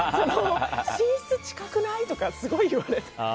寝室近くない？とかすごい言われて。